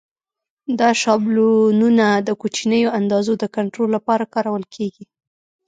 دا شابلونونه د کوچنیو اندازو د کنټرول لپاره کارول کېږي.